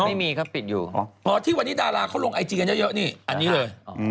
ไม่มีครับปิดอยู่อ๋อที่วันนี้ดาราเขาลงไอจีกันเยอะนี่อันนี้เลย